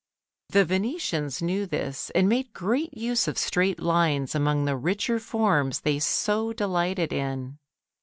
The Venetians knew this and made great use of straight lines among the richer forms they so delighted in.